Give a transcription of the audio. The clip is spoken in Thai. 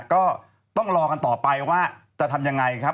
ก็ต้องรอกันต่อไปว่าจะทำยังไงครับ